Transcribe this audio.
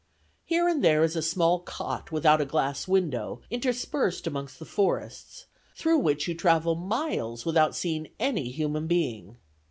Here and there is a small cot, without a glass window, interspersed amongst the forests, through which you travel miles without seeing any human being.